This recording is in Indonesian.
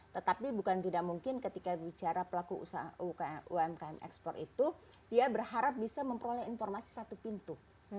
tetapi bukan tidak mungkin ketika bicara pelaku usaha umkm ekspor itu dia berharap bisa memperoleh informasi satu pintu